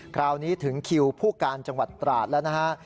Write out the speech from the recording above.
คราวนี้ถึงคิวผู้การจังหวัดตราดแล้วนะฮะ